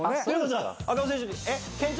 赤穂選手。